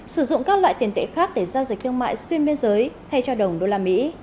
sử dụng các loại tiền tệ khác để giao dịch thương mại xuyên biên giới thay cho đồng đô la mỹ